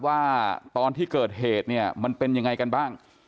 ว่าตอนที่เกิดเหตุเนี่ยมันเป็นยังไงกันบ้าง